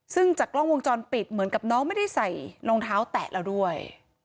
ซึ่งจากกล้องวงจรปิดเหมือนกับน้องไม่ได้ใส่รองเท้าแตะเราด้วย